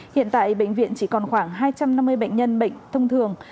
hiện tại bệnh viện chỉ còn khoảng hai trăm năm mươi bệnh nhân bệnh thông thường